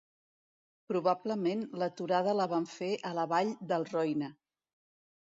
Probablement l'aturada la van fer a la vall del Roine.